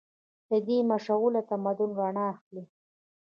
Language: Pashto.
له دې مشعله تمدن رڼا اخلي.